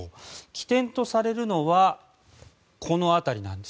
起点とされるのは、この辺り。